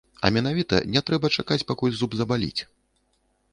А менавіта, не трэба чакаць, пакуль зуб забаліць.